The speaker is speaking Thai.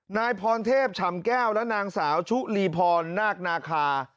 นายพรเทพฉ่ำแก้วและนางสาวชุลีพรนาคนาคา